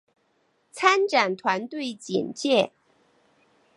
参展团队简介